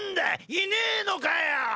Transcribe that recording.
いねぇのかよ